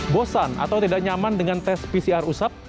bosan atau tidak nyaman dengan tes pcr usap